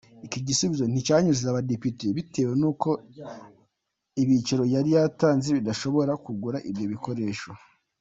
Iki gisubizo nticyanyuze abadepite bitewe n’uko ibiciro yari yatanze bidashobora kugura ibyo bikoresho.